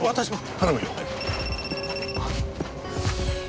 頼むよ。